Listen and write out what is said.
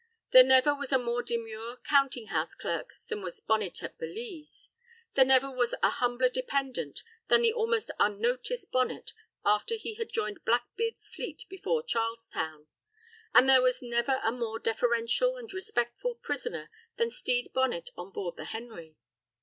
There never was a more demure counting house clerk than was Bonnet at Belize; there never was an humbler dependent than the almost unnoticed Bonnet after he had joined Blackbeard's fleet before Charles Town, and there never was a more deferential and respectful prisoner than Stede Bonnet on board the Henry.